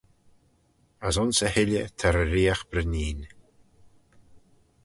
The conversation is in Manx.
As ayns e hilley ta reeriaght breneen.